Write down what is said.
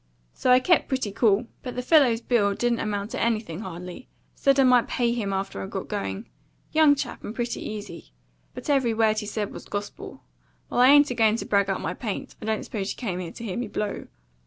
So I kept pretty cool; but the fellow's bill didn't amount to anything hardly said I might pay him after I got going; young chap, and pretty easy; but every word he said was gospel. Well, I ain't a going to brag up my paint; I don't suppose you came here to hear me blow."